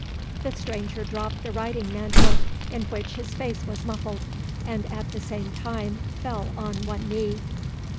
The stranger dropped the riding mantle in which his face was muffled, and at the same time fell on one knee.